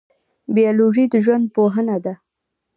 بیولوژي د ژوند پوهنه ده